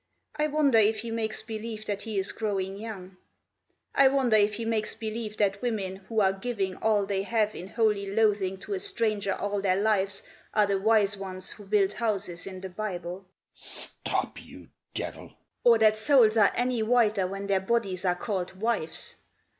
I wonder if he makes believe that he is growing young; I wonder if he makes believe that women who are giving All they have in holy loathing to a stranger all their lives Are the wise ones who build houses in the Bible. ..." "Stop you devil!" "... Or that souls are any whiter when their bodies are called wives.